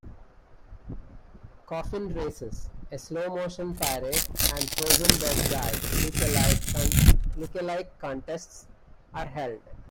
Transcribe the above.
Coffin races, a slow-motion parade, and "Frozen Dead Guy" lookalike contests are held.